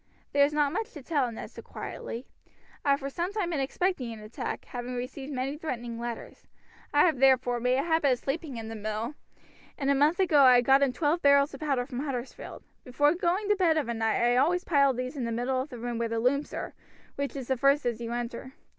"There is not much to tell," Ned said quietly. "I have for some time been expecting an attack, having received many threatening letters. I have, therefore, made a habit of sleeping in the mill, and a month ago I got in twelve barrels of powder from Huddersfield. Before going to bed of a night I always pile these in the middle of the room where the looms are, which is the first as you enter.